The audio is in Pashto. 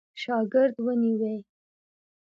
شاګرد ونیوی.